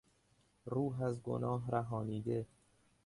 روح از گناه رهانیده